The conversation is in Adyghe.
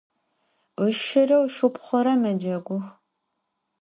Işşıre ışşıpxhure mecegux.